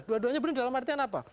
dua duanya belum dalam artian apa